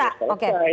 pak surta oke